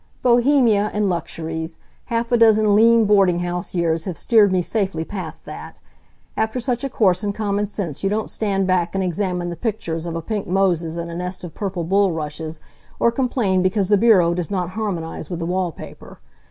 Bohemia and luxuries! Half a dozen lean boarding house years have steered me safely past that. After such a course in common sense you don't stand back and examine the pictures of a pink Moses in a nest of purple bullrushes, or complain because the bureau does not harmonize with the wall paper.